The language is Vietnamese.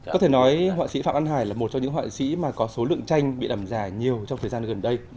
có thể nói họa sĩ phạm an hải là một trong những họa sĩ mà có số lượng tranh bị làm giả nhiều trong thời gian gần đây